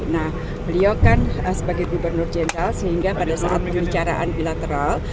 nah beliau kan sebagai gubernur jenderal sehingga pada saat pembicaraan bilateral